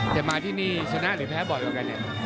จะมาที่นี่ชนะหรือแพ้บ่อยกว่ากันเนี่ย